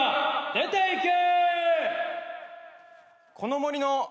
・出ていけ！